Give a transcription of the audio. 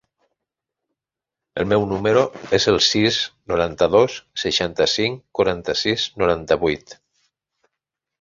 El meu número es el sis, noranta-dos, seixanta-cinc, quaranta-sis, noranta-vuit.